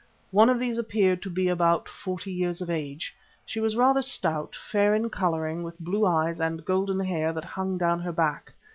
One of these appeared to be about forty years of age. She was rather stout, fair in colouring, with blue eyes and golden hair that hung down her back.